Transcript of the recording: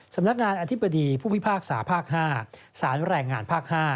สำนักงานอธิบดีผู้พิพากษาภาค๕สารแรงงานภาค๕